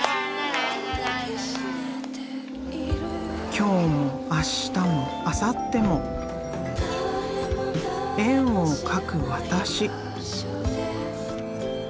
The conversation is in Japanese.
今日も明日もあさっても円を描く私。